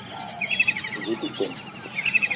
O: djip bitong.